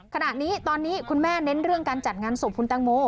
ขณะนี้ตอนนี้คุณแม่เน้นเรื่องการจัดงานศพคุณแตงโม